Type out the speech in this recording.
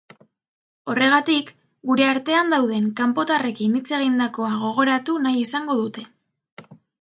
Horregatik, gure artean dauden kanpotarrekin hitz egindakoa gogoratu nahi izango dute.